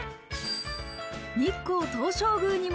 日光東照宮にも、